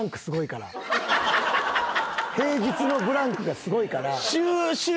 平日のブランクがすごいから。